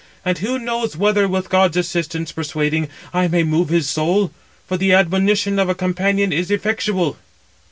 And who knows whether, with God's assistance, persuading, I may move his soul? for the admonition of a companion is effectual."